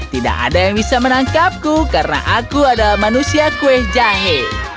tidak ada yang bisa menangkapku karena aku adalah manusia kue jahe